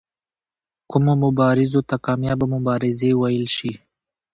کومو مبارزو ته کامیابه مبارزې وویل شي.